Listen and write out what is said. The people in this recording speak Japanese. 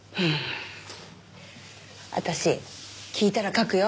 私聞いたら書くよ。